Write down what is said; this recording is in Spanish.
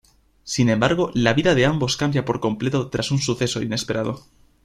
Sin embargo, la vida de ambos cambia por completo tras un suceso inesperado.